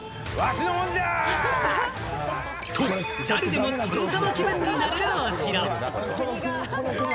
と、誰でも殿様気分になれるお城。